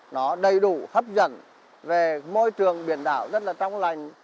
nó đầy đủ hấp dẫn về môi trường biển đảo rất là trong lành